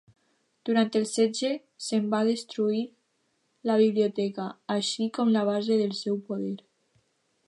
Durant el setge se'n va destruir la biblioteca, així com la base del seu poder.